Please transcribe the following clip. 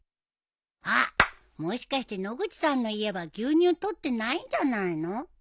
あっもしかして野口さんの家は牛乳取ってないんじゃないの？